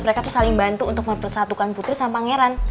mereka tuh saling bantu untuk mempersatukan putri sama pangeran